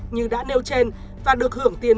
như đã nêu trên và được hưởng tiền